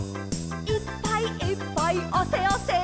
「いっぱいいっぱいあせあせ」